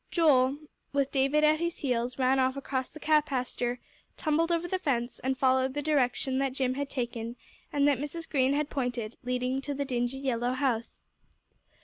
Joel, with David at his heels, ran off across the cow pasture, tumbled over the fence, and followed the direction that Jim had taken and that Mrs. Green had pointed, leading to the dingy yellow house.